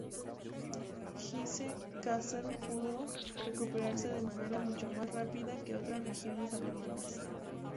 Hesse-Kassel pudo recuperarse de manera mucho más rápida que otras regiones alemanas.